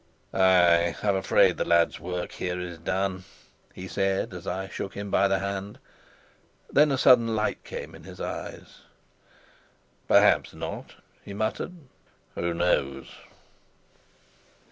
"Ay, I'm afraid the lad's work here is done," he said, as I shook him by the hand. Then a sudden light came in his eyes. "Perhaps not," he muttered. "Who knows?"